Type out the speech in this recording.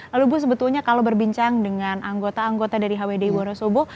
lalu bu sebetulnya kalau berbincang dengan anggota anggota dari hwd wonosobo